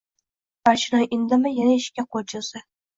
Barchinoy indamay, yana eshikka qo‘l cho‘zdi.